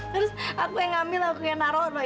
terus aku yang ambil aku yang naruh loh